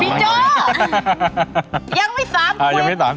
ยังไม่สามคนยังไม่๓๐ใช่มะ